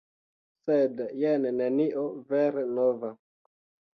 Sed jen nenio vere nova.